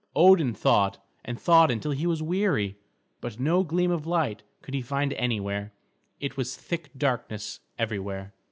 Odin thought and thought until he was weary, but no gleam of light could he find anywhere; it was thick darkness everywhere.